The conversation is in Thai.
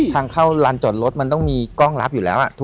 ทางเข้าลานจอดรถมันต้องมีกล้องรับอยู่แล้ว